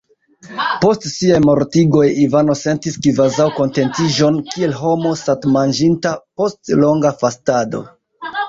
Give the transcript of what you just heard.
Post siaj mortigoj Ivano sentis kvazaŭ kontentiĝon, kiel homo satmanĝinta post longa fastado.